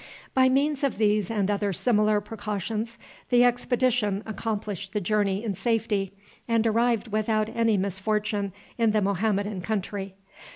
By means of these and other similar precautions the expedition accomplished the journey in safety, and arrived without any misfortune in the Mohammedan country.